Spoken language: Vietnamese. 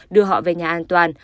đưa họ về nhà an toàn